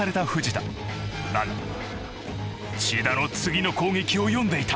だが千田の次の攻撃を読んでいた。